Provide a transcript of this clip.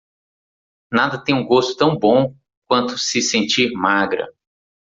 Nada tem um gosto tão bom quanto se sentir magra